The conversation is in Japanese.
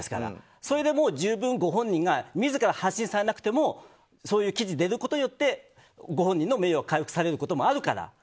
それでもう十分、ご本人が自ら発信されなくてもそういう記事が出ることによってご本人の名誉が回復されることはあるから。